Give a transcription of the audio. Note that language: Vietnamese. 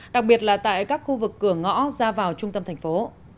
đặc biệt là tại các khu vực cửa ngõ ra vào trung tâm thành phố